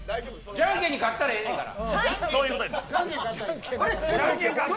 じゃんけんに勝ったらええねんから。